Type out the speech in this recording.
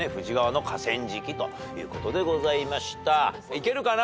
いけるかな？